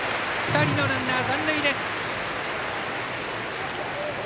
２人のランナー、残塁です。